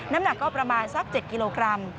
น้ำหนักก็ประมาณสัก๗กิโลกรัม